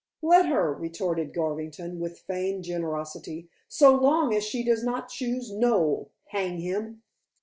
"Let her," retorted Garvington, with feigned generosity. "So long as she does not choose Noel; hang him!"